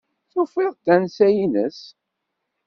Tufiḍ-d tansa-ines?